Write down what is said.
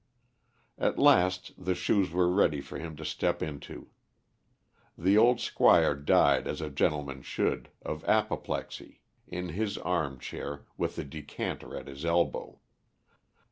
At last the shoes were ready for him to step into. The old Squire died as a gentleman should, of apoplexy, in his armchair, with a decanter at his elbow.